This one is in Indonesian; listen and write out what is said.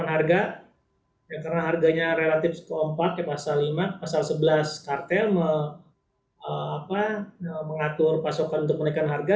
karena harganya relatif ke empat pasal lima pasal sebelas kartel mengatur pasokan untuk menaikan harga